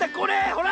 ほら！